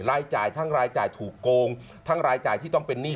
รายจ่ายทั้งรายจ่ายถูกโกงทั้งรายจ่ายที่ต้องเป็นหนี้